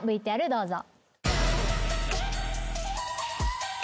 ＶＴＲどうぞ。